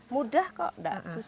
mudah kok tidak susah